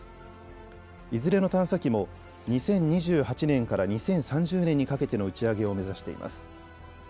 いずれの探査機も２０２８年から２０３０年にかけての打ち上げを目指しています。